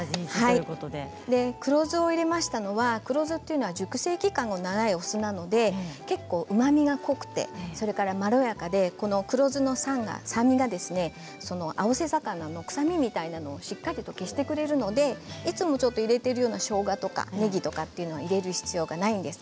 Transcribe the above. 黒酢を入れましたのは黒酢が熟成期間の長いお酢なので結構うまみが濃くてまろやかで黒酢の酸味が青背魚の臭みなどをしっかり消してくれるのでいつも入れているようなしょうがやねぎは入れる必要がないんです。